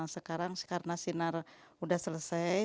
sekarang karena sinar sudah selesai